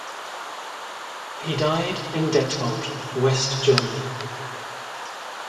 He died in Detmold, West Germany.